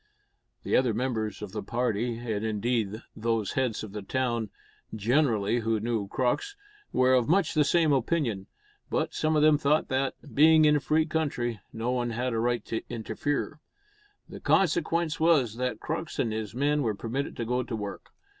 The other members of the party, and indeed those heads of the town generally who knew Crux, were of much the same opinion, but some of them thought that, being in a free country, no one had a right to interfere. The consequence was that Crux and his men were permitted to go to work.